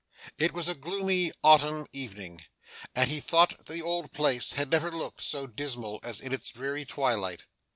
It was a gloomy autumn evening, and he thought the old place had never looked so dismal as in its dreary twilight.